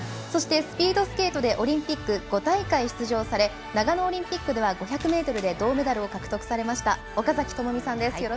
そして、スピードスケートでオリンピック５大会出場され長野オリンピックでは５００ｍで銅メダルを獲得されました岡崎朋美さんです。